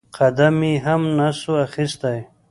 قدم يې هم نسو اخيستى.